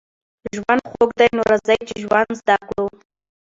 ژوند خوږ دی نو راځئ چې ژوند زده کړو